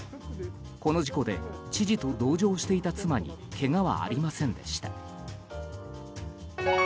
この事故で知事と同乗していた妻にけがはありませんでした。